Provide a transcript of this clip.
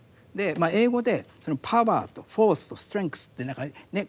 英語でパワーとフォースとストレングスって何かね